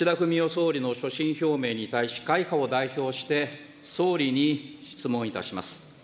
総理の所信表明に対し、会派を代表して総理に質問いたします。